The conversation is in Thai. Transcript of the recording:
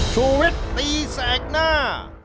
ชูวิทปีแสกหน้า